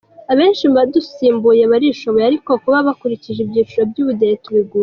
Abenshi mubadusimbuye barishoboye ariko kuba bakurikije ibyiciro by’ubudehe tubiguyemo.